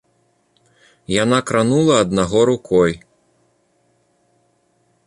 Яна кранула аднаго рукой.